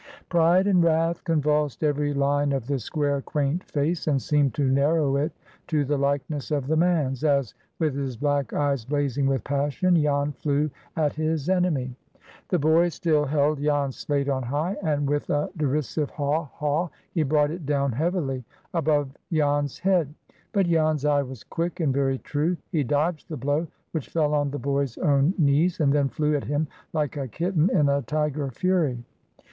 Pride and wrath convulsed every line of the square, quaint face, and seemed to narrow it to the likeness of the man's, as, with his black eyes blazing with passion, Jan flew at his enemy. The boy still held Jan's slate on high, and with a derisive "haw! haw!" he brought it down heavily above Jan's head. But Jan's eye was quick, and very true. He dodged the blow, which fell on the boy's own knees, and then flew at him like a kitten in a tiger fury.